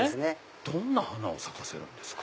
どんな花を咲かせるんですか？